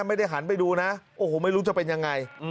ไม่ได้หันไปดูนะโอ้โหไม่รู้จะเป็นยังไง